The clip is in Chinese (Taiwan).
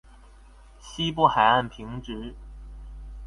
西部海岸平直